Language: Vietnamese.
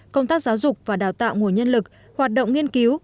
công tác giáo dục và đào tạo nguồn nhân lực hoạt động nghiên cứu